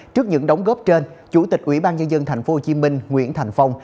trước những đóng góp trên chủ tịch ủy ban nhân dân tp hcm nguyễn thành phong